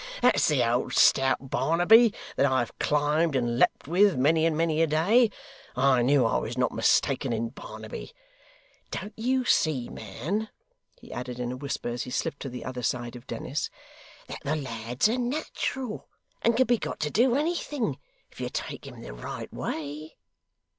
That's the old stout Barnaby, that I have climbed and leaped with, many and many a day I knew I was not mistaken in Barnaby. Don't you see, man,' he added in a whisper, as he slipped to the other side of Dennis, 'that the lad's a natural, and can be got to do anything, if you take him the right way?